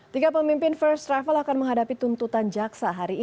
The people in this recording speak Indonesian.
tiga pemimpin first travel akan menghadapi tuntutan jaksa